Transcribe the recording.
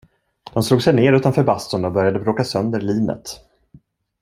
De slog sig ner utanför bastun och började bråka sönder linet.